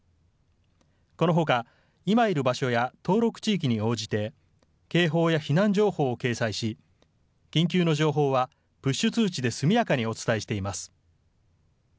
このほか、今いる場所や登録地域に応じて、警報や避難情報を掲載し、緊急の情報はプッシュ通知で速やかにお伝えしています。